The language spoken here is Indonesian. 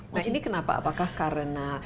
nah ini kenapa apakah karena